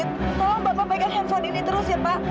tolong bapak pegang handphone ini terus ya pak